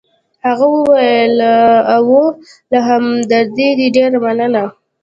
هغه وویل: اوه، له همدردۍ دي ډېره مننه.